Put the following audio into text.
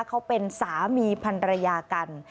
เขาเป็นสามีพันรยากัน